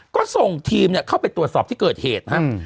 ก็ส่งทีมเข้าไปตรวจสอบที่เกิดเหตุนะครับ